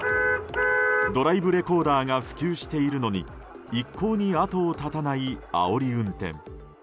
ドライブレコーダーが普及しているのに一向に後を絶たないあおり運転。